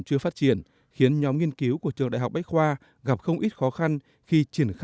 chưa phát triển khiến nhóm nghiên cứu của trường đại học bách khoa gặp không ít khó khăn khi triển